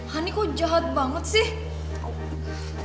hani kok jahat banget sih